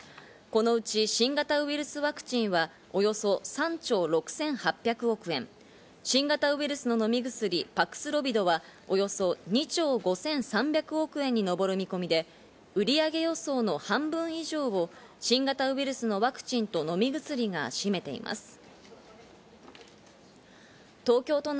このうち新型ウイルスワクチンはおよそ３兆６８００億円、新型ウイルスの飲み薬、パクスロビドはおよそ２兆５３００億円に上る見込みで、売上予想の半分以上を新型ウイルスのワクチンと飲み薬が占めています。